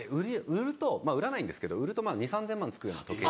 売らないんですけど売ると２０００３０００万付くような時計。